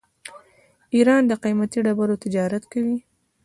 ایران د قیمتي ډبرو تجارت کوي.